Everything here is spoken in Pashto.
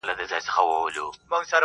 • نه ملخ نه یې تر خوله خوږه دانه سوه -